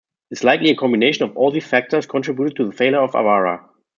It's likely a combination of all these factors contributed to the failure of Avara.